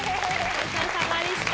ごちそうさまでした。